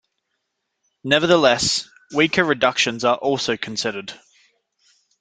Nevertheless, weaker reductions are also considered.